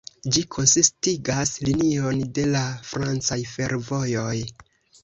Ĝi konsistigas linion de la francaj fervojoj.